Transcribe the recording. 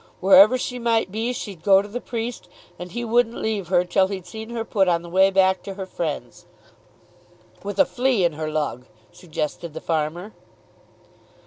Wherever she might be she'd go to the priest, and he wouldn't leave her till he'd seen her put on the way back to her friends." "With a flea in her lug," suggested the farmer.